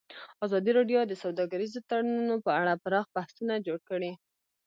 ازادي راډیو د سوداګریز تړونونه په اړه پراخ بحثونه جوړ کړي.